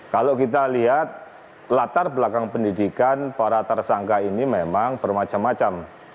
kalau kita lihat latar belakang pendidikan para tersangka ini memang bermacam macam